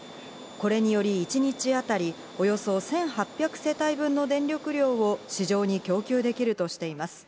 これにより一日当たりおよそ１８００世帯分の電力量を市場に供給できるとしています。